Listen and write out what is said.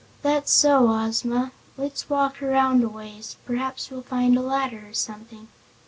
"That's so, Ozma. Let's walk around a ways; perhaps we'll find a ladder or something."